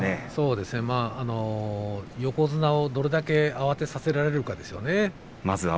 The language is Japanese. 横綱をどれだけ慌てさせられるかですね。